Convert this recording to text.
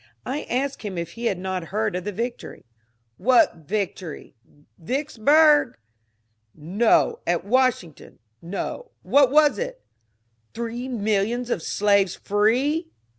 I asked him if he had not heard of the victory. "What victory? Vicksburg?" "No, at Washing ton." « No ; what was it ?"" Three millions of slaves free